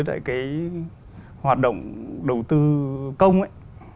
đối với cái hoạt động đầu tư công ấy